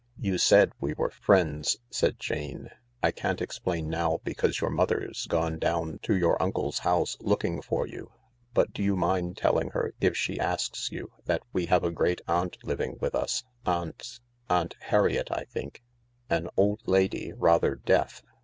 " You said we were friends," said Jane. " I can't explain now, because your mother's gone down to your uncle's house looking for you, but do you mind telling her, if she asks you, that we have a great aunt living with us ? Aunt — Aunt Harriet, I think; an old lady, rather deaf.